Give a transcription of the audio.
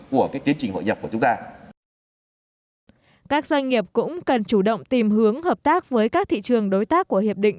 các doanh nghiệp cũng cần chủ động tìm hướng hợp tác với các thị trường đối tác của hiệp định